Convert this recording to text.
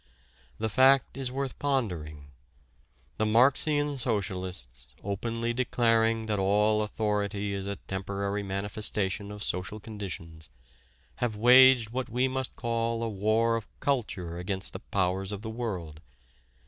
The fact is worth pondering: the Marxian socialists, openly declaring that all authority is a temporary manifestation of social conditions, have waged what we must call a war of culture against the powers of the world.